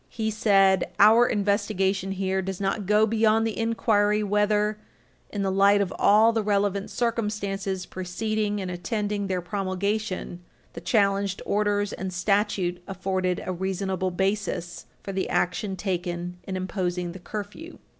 He said: "Our investigation here does not go beyond the inquiry whether, in the light of all the relevant circumstances preceding and attending their promulgation, the challenged orders and statute afforded a reasonable basis for the action taken in imposing the curfew."